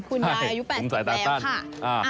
คุณยายอายุ๘๐แล้วค่ะ